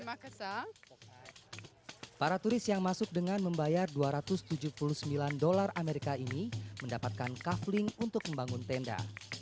pada saat ini pembantu perbukitan di sulawesi tengah membuat perjalanan ke kembali ke negara